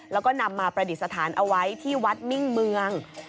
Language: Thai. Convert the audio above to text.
แล้วก็นำมาประดิษฐานเอาไว้ที่วัดมิ่งเมือง